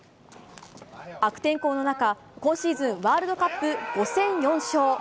悪天候の中、今シーズンワールドカップ５戦４勝。